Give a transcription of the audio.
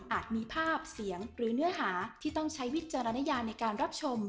มีภาพเสียงหรือเนื้อหาที่ต้องใช้วิจารณญาในการรับชม